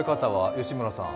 吉村さん。